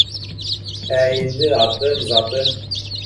Ә инде атым-затым